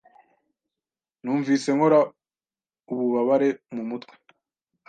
Numvise nkora ububabare mu mutwe.